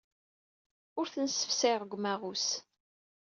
Ur tent-ssefsayeɣ deg umaɣus.